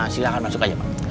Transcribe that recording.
silahkan masuk aja pak